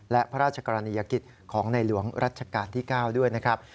และพระราชกรณียกิจของในหลวงรัชกาลที่๙ด้วยนะครับ